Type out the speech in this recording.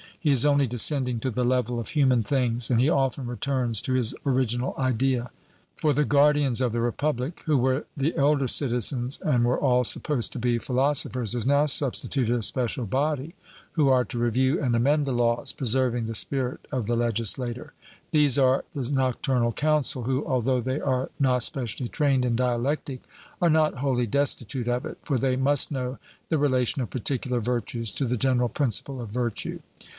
He is only descending to the level of human things, and he often returns to his original idea. For the guardians of the Republic, who were the elder citizens, and were all supposed to be philosophers, is now substituted a special body, who are to review and amend the laws, preserving the spirit of the legislator. These are the Nocturnal Council, who, although they are not specially trained in dialectic, are not wholly destitute of it; for they must know the relation of particular virtues to the general principle of virtue.